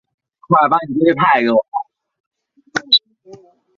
海虱在浮游阶段如何扩散及寻找寄主仍然是迷。